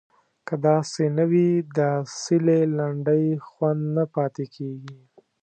که داسې نه وي د اصیلې لنډۍ خوند نه پاتې کیږي.